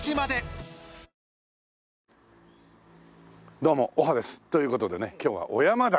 どうもおはです！という事でね今日は尾山台。